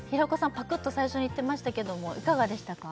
パクッと最初にいってましたけどもいかがでしたか？